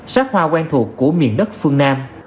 sát hoa quen thuộc của miền đất phương nam